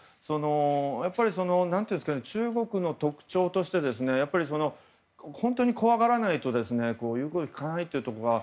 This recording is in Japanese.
やっぱり中国の特徴として本当に怖がらないと、言うことを聞かないというところが。